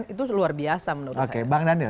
itu luar biasa menurut saya bang daniel